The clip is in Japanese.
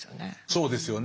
そうですよね。